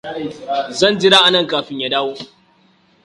Zan jira anan kafin ya dawo.